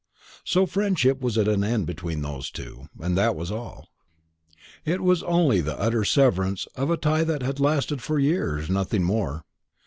So friendship was at an end between those two, and that was all; it was only the utter severance of a tie that had lasted for years, nothing more.